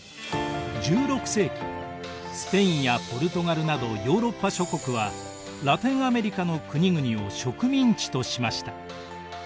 １６世紀スペインやポルトガルなどヨーロッパ諸国はラテンアメリカの国々を植民地としました。